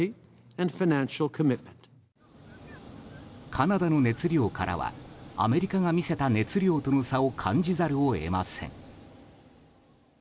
カナダの熱量からはアメリカが見せた熱量との差を感じざるを得ません。